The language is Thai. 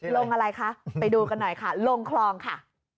ลงอะไรคะไปดูกันหน่อยค่ะลงคลองค่ะ